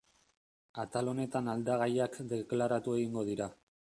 Atal honetan aldagaiak deklaratu egingo dira.